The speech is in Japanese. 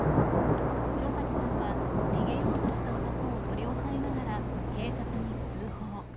黒崎さんは逃げようとした男を取り押さえながら、警察に通報。